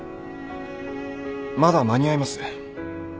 まだ間に合います。